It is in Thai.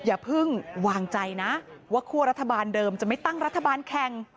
อย่าเพิ่งวางใจนะว่าคั่วรัฐบาลเดิมจะไม่ตั้งรัฐบาลแข่ง